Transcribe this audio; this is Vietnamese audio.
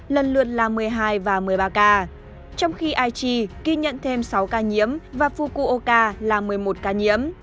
lần lượt là một mươi hai và một mươi ba ca trong khi aichi ghi nhận thêm sáu ca nhiễm và phukoka là một mươi một ca nhiễm